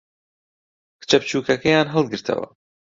کچە بچووکەکەیان ھەڵگرتەوە.